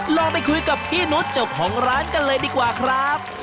ลองไปคุยกับพี่นุษย์เจ้าของร้านกันเลยดีกว่าครับ